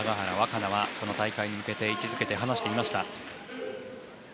可那はこの大会に向けて位置づけていました。